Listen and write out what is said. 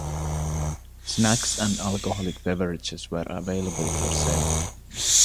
Snacks and alcoholic beverages were available for sale.